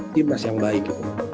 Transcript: timnas yang baik